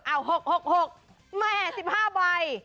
เอ้า๖๖๖แหม๑๕ใบ